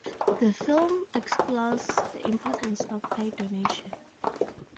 The film explores the importance of eye donation.